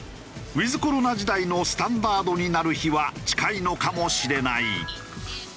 ウィズコロナ時代のスタンダードになる日は近いのかもしれない。